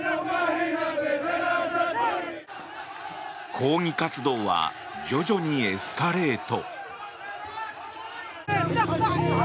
抗議活動は徐々にエスカレート。